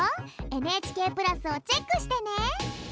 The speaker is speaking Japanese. ＮＨＫプラスをチェックしてね！